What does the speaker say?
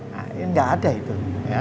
nah ini nggak ada itu